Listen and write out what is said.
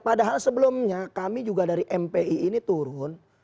padahal sebelumnya kami juga dari mpi ini turun